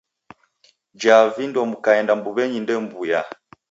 Jaa vindo mukaenda mbuw'enyi ndemw'uya.